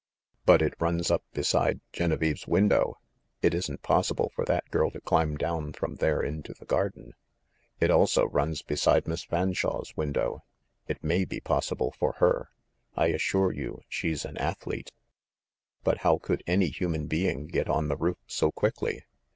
"But it runs up beside Genevieve's window ! It isn't possible for that girl to climb down from there into the garden." "It also runs beside Miss Fanshawe's window. It may be possible for her. I assure you, she's an ath lete." "But how could any human being get on the roof so quickly?"